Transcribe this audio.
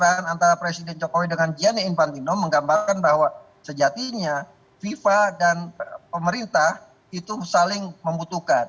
pernyataan antara presiden jokowi dengan gianni infantino menggambarkan bahwa sejatinya fifa dan pemerintah itu saling membutuhkan